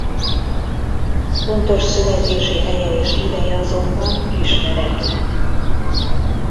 Pontos születési helye és ideje azonban ismeretlen.